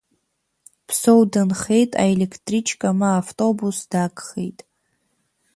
Ԥсоу дынхеит, аелектричка ма автобус дагхеит.